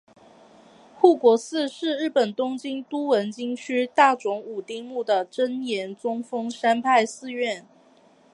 护国寺是日本东京都文京区大冢五丁目的真言宗丰山派寺院。